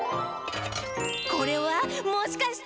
これはもしかして？